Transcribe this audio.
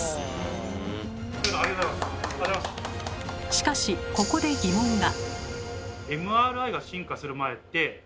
しかしここで疑問が。